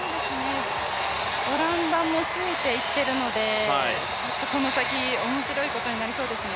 オランダもついて行っているので、この先面白いことになりそうですね。